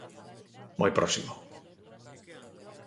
Moi próximo.